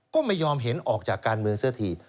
ก็ไม่ยอมเห็นออกจากการเมืองซะที